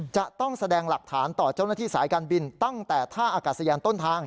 จะต้องแสดงหลักฐานต่อเจ้าหน้าที่สายการบินตั้งแต่ท่าอากาศยานต้นทาง